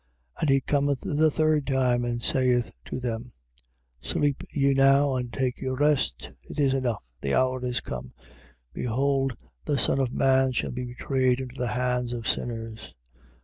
14:41. And he cometh the third time and saith to them: Sleep ye now and take your rest. It is enough. The hour is come: behold the Son of man shall be betrayed into the hands of sinners.